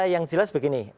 yang jelas begini